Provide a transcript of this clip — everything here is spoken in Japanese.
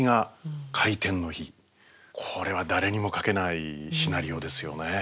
これは誰にも書けないシナリオですよね。